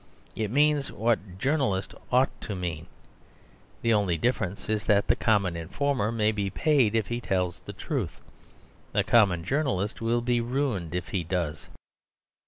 It means what "journalist" ought to mean. The only difference is that the Common Informer may be paid if he tells the truth. The common journalist will be ruined if he does.